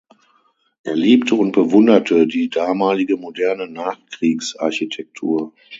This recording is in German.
Er liebte und bewunderte die damalige moderne Nachkriegsarchitektur.